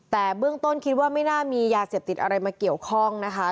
แต่เบื้องต้นคิดว่าไม่น่ามียาเสพติดอะไรมาเกี่ยวข้องนะคะ